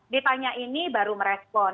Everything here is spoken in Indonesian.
ditanya ini baru merespon